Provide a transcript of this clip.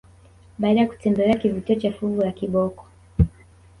Baada ya kutembelea kivutio cha fuvu la kiboko